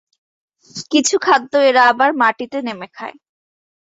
কিছু খাদ্য এরা আবার মাটিতে নেমে খায়।